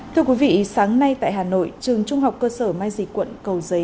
thưa quý vị sáng nay tại hà nội trường trung học cơ sở mai dịch quận cầu giấy